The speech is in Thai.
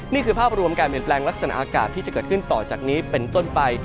นี่คือภาพรวมการเปลี่ยนแปลงลักษณะอากาศที่จะเกิดขึ้นต่อจากนี้เป็นต้นไป